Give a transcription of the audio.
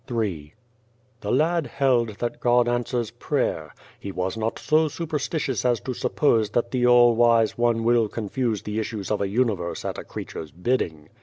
Ill " THE lad held that God answers prayer. He was not so superstitious as to suppose that the All Wise One will confuse the issues of a universe at a creature's bidding.